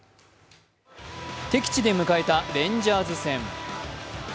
敵地で迎えたレンジャーズ戦。